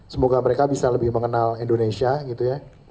semoga mereka bisa lebih mengenal indonesia gitu ya